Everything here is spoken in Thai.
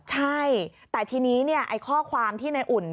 ใช่แต่ทีนี้ไอ้ข้อความที่ในอุ่น